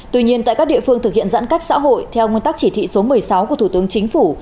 tuy nhiên tại các địa phương thực hiện giãn cách xã hội theo nguyên tắc chỉ thị số một mươi sáu của thủ tướng chính phủ